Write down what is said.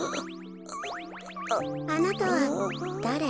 あなたはだれ？